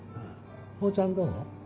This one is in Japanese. ほーちゃんどう？